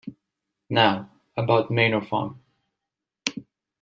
Now, about Manor Farm.